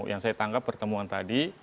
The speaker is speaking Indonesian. yang saya tanggap pertemuan tadi